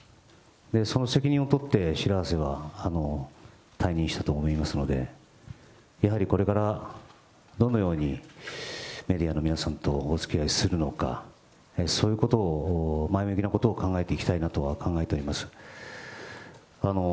その責任を取って白波瀬は退任したと思いますので、やはりこれからどのようにメディアの皆さんとおつきあいをするのか、そういうことを前向きなことを考えていきたいなとは考えております。